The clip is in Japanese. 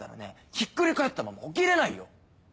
ひっくり返ったまま起きれないよ。